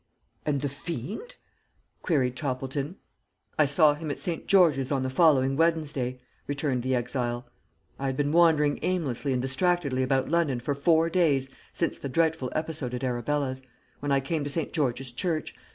"And the fiend?" queried Toppleton. "I saw him at St. George's on the following Wednesday," returned the exile. "I had been wandering aimlessly and distractedly about London for four days since the dreadful episode at Arabella's, when I came to St. George's Church.